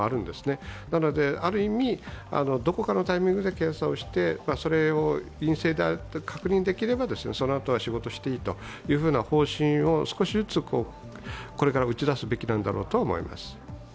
ですのである意味、どこかのタイミングで検査をしてそれを陰性と確認できればそのあとは仕事していいという方針を少しずつこれから打ち出すべきなんだろうと思います。